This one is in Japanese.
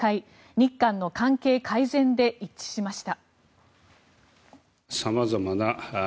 日韓の関係改善で一致しました。